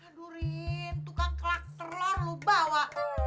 aduh rin tukang kelak telor lu bawa